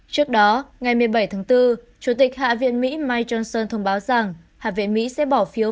trước đó ngày một mươi bảy tháng bốn chủ tịch hạ viện mỹ mike johnson thông báo rằng hạ viện mỹ sẽ bỏ phiếu